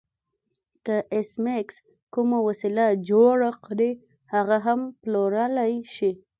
که ایس میکس کومه وسیله جوړه کړي هغه هم پلورلی شي